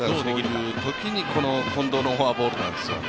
そういうときに近藤のフォアボールなんですよ。